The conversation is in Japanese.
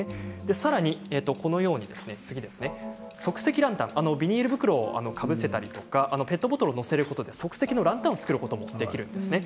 さらに即席ランタンビニール袋をかぶせたりペットボトルを載せることで即席のランタンを作ることができます。